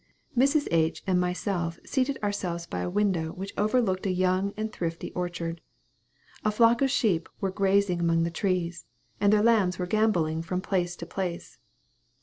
Mrs. H. and myself seated ourselves by a window which overlooked a young and thrifty orchard. A flock of sheep were grazing among the trees, and their lambs were gambolling from place to place.